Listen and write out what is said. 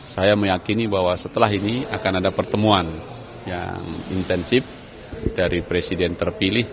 saya meyakini bahwa setelah ini akan ada pertemuan yang intensif dari presiden terpilih